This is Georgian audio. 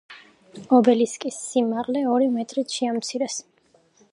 ობელისკის სიმაღლე ორი მეტრით შეამცირეს.